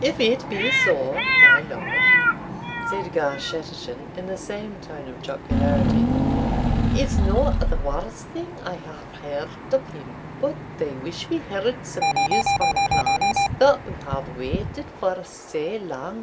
"If it be so, my lord," said Garschattachin, in the same tone of jocularity, "it's no the warst thing I have heard of him. But I wish we heard some news from the clans, that we have waited for sae lang.